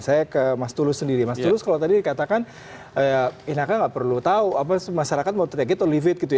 saya ke mas tulus sendiri mas tulus kalau tadi dikatakan inaka tidak perlu tahu masyarakat mau teriak itu leave it